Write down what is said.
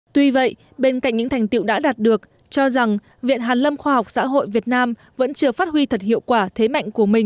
tuy vậy bên cạnh những thành tiệu đã đạt được cho rằng viện hàn lâm khoa học xã hội việt nam vẫn chưa phát huy thật hiệu quả thế mạnh của mình